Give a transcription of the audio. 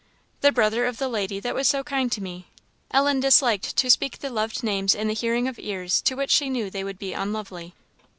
"The brother of the lady that was so kind to me." Ellen disliked to speak the loved names in the hearing of ears to which she knew they would be unlovely.